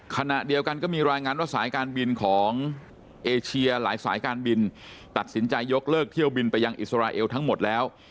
ขณะเดียวกันก็มีรายงานว่าสายการบินของเอเชียหลายสายการบินตัดสินใจยกเลิกเที่ยวบินไปยังอิสราเอลทั้งหมดแล้ว